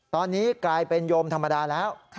ตอนนี้กลายเป็นโยมธรรมดาแล้ว